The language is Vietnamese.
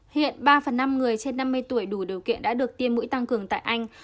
hiện ba phần năm người trên năm mươi tuổi đủ điều kiện đã được tiêm mũi tăng cường tại anh